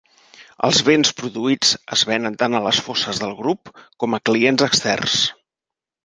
Els béns produïts es venen tant a les foses del grup com a clients externs.